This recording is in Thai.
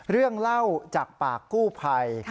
เรื่องเล่าจากปากกู้ภัย